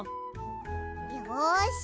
よし！